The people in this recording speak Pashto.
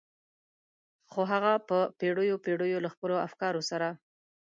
خو هغه به په پېړيو پېړيو له خپلو افکارو سره.